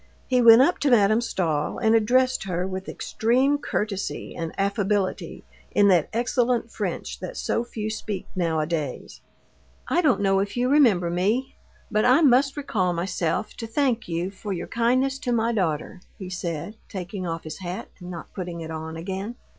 He went up to Madame Stahl, and addressed her with extreme courtesy and affability in that excellent French that so few speak nowadays. "I don't know if you remember me, but I must recall myself to thank you for your kindness to my daughter," he said, taking off his hat and not putting it on again.